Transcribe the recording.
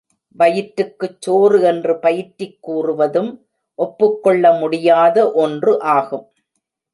வயிற்றுக்குச் சோறு என்று பயிற்றிக் கூறுவதும் ஒப்புக் கொள்ள முடியாத ஒன்று ஆகும்.